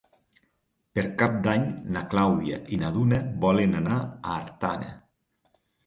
Per Cap d'Any na Clàudia i na Duna volen anar a Artana.